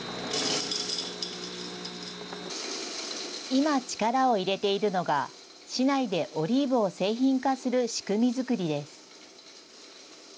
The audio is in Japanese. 今、力を入れているのが、市内でオリーブを製品化する仕組み作りです。